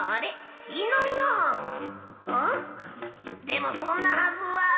でもそんなはずは。